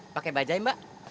pakai bajaj mbak